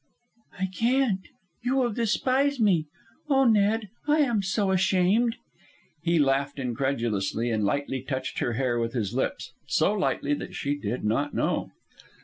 "I can't. You will despise me. Oh, Ned, I am so ashamed!" He laughed incredulously, and lightly touched her hair with his lips so lightly that she did not know.